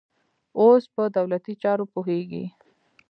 اوس په دولتي چارو پوهېږي.